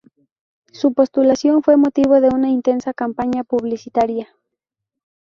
Su postulación fue motivo de una intensa campaña publicitaria.